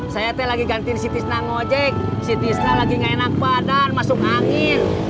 saya tadi lagi gantiin si tisna ngejek si tisna lagi gak enak badan masuk angin